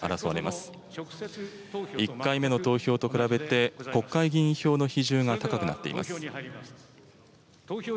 １回目の投票と比べて、国会議員票の比重が高くなっています。